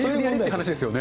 話ですよね。